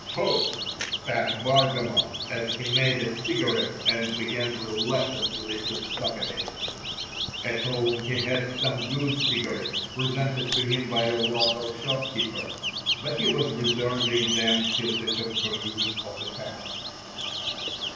Ptu!—spat Bargamot, as he made a cigarette and began reluctantly to suck at it. At home he had some good cigarettes, presented to him by a local shop keeper, but he was reserving them till the conclusion of the fast.